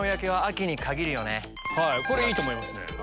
これいいと思います。